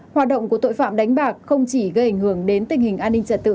hoạt động của tội phạm đánh bạc không chỉ gây ảnh hưởng đến tình hình an ninh trật tự